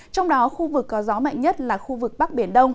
trong đó khu vực có gió mạnh nhất là khu vực bắc biển đông